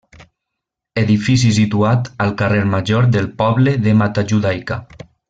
Edifici situat al carrer Major del poble de Matajudaica.